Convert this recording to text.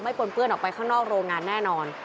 ปนเปื้อนออกไปข้างนอกโรงงานแน่นอน